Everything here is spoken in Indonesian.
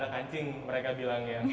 tidak ada kancing mereka bilang ya